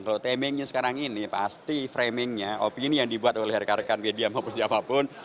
kalau timingnya sekarang ini pasti framingnya opini yang dibuat oleh rekan rekan media maupun siapapun